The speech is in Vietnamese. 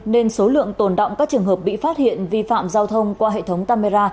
nên số lượng tồn động các trường hợp bị phát hiện vi phạm giao thông qua hệ thống camera